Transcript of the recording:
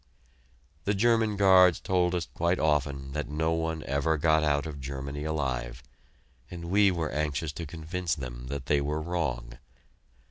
The German guards told us quite often that no one ever got out of Germany alive, and we were anxious to convince them that they were wrong.